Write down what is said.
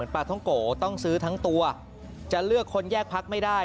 ปลาท้องโกต้องซื้อทั้งตัวจะเลือกคนแยกพักไม่ได้